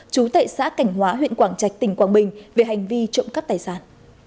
trú tại xã cảnh hóa huyện quảng trạch tỉnh quảng bình về hành vi trộm cắt tài sản